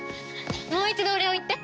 もう一度お礼を言って！